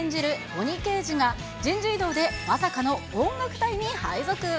鬼刑事が、人事異動でまさかの音楽隊に配属。